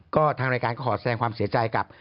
ก็ทางรายการก็ขอแสดงความเสียใจกับ